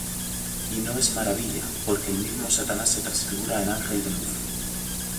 Y no es maravilla, porque el mismo Satanás se transfigura en ángel de luz.